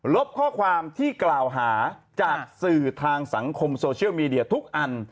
ลบข้อความที่กล่าวหาจากสื่อทางสังคมโซเชียลมีเดียทุกอัน